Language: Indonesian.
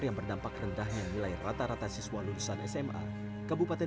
kami berkumpul dengan kesehatan dan kemampuan